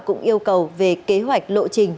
cũng yêu cầu về kế hoạch lộ trình